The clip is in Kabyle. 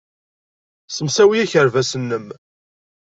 Ssemsawi akerbas-nnem.